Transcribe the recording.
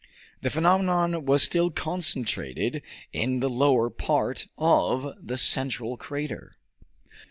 The phenomenon was still concentrated in the lower part of the central crater.